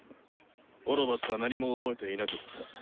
オロバスは何も覚えていなかった。